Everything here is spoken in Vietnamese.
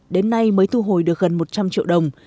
đến nay mới thu hồi được gần một trăm linh triệu đồng